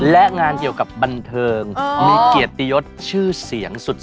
และงานเกี่ยวกับบันเทิงมีเกียรติยศชื่อเสียงสุด